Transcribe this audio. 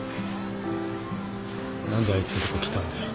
何であいつんとこ来たんだよ。